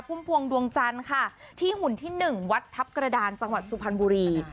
พุ่มพวงดวงจันทร์ค่ะที่หุ่นที่๑วัดทัพกระดานจังหวัดสุพรรณบุรี